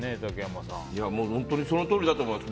本当にそのとおりだと思います。